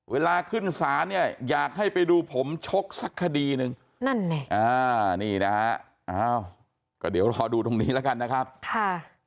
เวลาขึ้นศาลเนี่ยอยากให้ไปดูผมชกสักคดีหนึ่งนั่นไงอ่านี่นะฮะอ้าวก็เดี๋ยวรอดูตรงนี้แล้วกันนะครับค่ะ